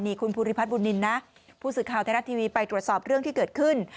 คุณภูริพัฒนบุญนินนะผู้สื่อข่าวไทยรัฐทีวีไปตรวจสอบเรื่องที่เกิดขึ้น